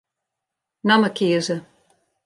Namme kieze.